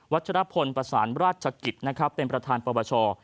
วัชฌพลประสานราชกิจเป็นประธานประบาชอ